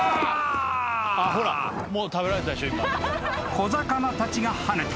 ［小魚たちが跳ねた］